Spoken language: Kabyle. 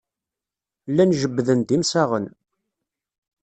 Llan jebbden-d imsaɣen.